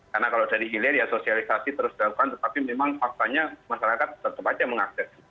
karena kalau dari hilir ya sosialisasi terus dilakukan tetapi memang faktanya masyarakat tetap saja mengakses